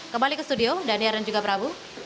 kembali ke studio daniar dan juga prabu